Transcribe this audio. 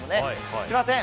すみません。